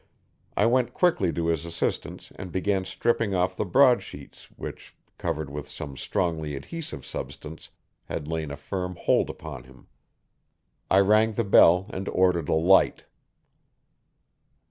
I went quickly to his assistance and began stripping off the broadsheets which, covered with some strongly adhesive substance, had laid a firm hold upon him. I rang the bell and ordered a light.